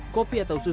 kopi atau susu